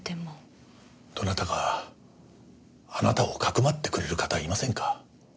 どなたかあなたをかくまってくれる方いませんか？